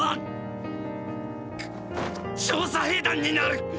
調査兵団になる！